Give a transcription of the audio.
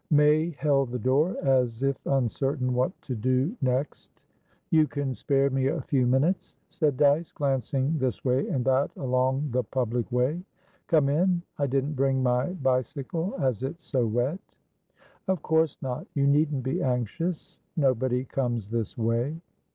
May held the door as if uncertain what to do next. "You can spare me a few minutes?" said Dyce, glancing this way and that along the public way. "Come in. I didn't bring my bicycle, as it's so wet." "Of course not. You needn't be anxious. Nobody comes this way."